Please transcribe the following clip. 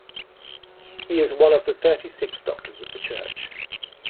He is one of the thirty-six Doctors of the Church.